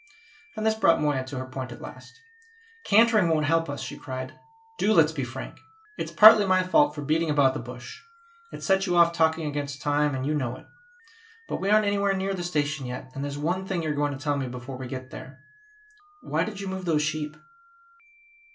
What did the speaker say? And this brought Moya to her point at last. "Cantering won't help us," she cried; "do let's be frank! It's partly my fault for beating about the bush; it set you off talking against time, and you know it. But we aren't anywhere near the station yet, and there's one thing you are going to tell me before we get there. Why did you move those sheep?"